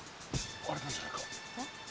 割れたんじゃないか。